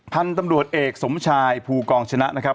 พันธุ์ตำรวจเอกสมชายภูกองชนะนะครับ